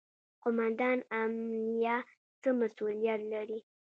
قوماندان امنیه څه مسوولیت لري؟